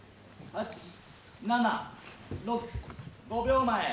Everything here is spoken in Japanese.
８７６５秒前。